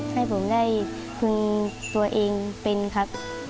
ให้ผมได้พึงตัวเองเป็นครับ